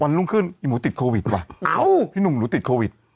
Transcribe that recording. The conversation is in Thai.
รุ่งขึ้นอีหมูติดโควิดว่ะพี่หนุ่มหนูติดโควิด